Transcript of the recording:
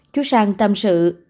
chú sang tâm sự